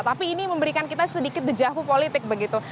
tapi ini memberikan kita sedikit dejahu politik begitu